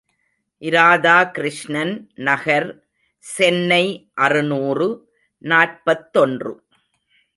இராதாகிருஷ்ணன் நகர், சென்னை அறுநூறு நாற்பத்தொன்று.